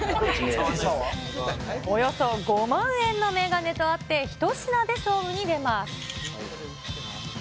およそ５万円の眼鏡とあって一品で勝負に出ます。